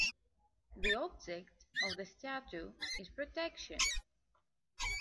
The object of the statute is protection.